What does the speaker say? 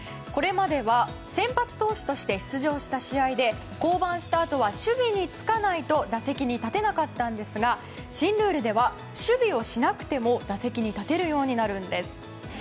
これまでは先発投手として出場した試合で降板したあとは守備につかないと打線に立てなかったんですが新ルールでは、守備をしなくても打席に立てるようになるんです。